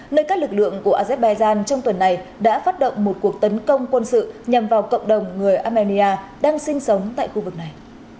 nơi các lực lượng của azerbaijan trong tuần này đã phát động một cuộc tấn công quân sự nhằm vào cộng đồng người armenia đang sinh sống tại khu vực này